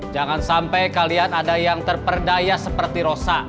jangan sampai kalian ada yang terperdaya seperti rosa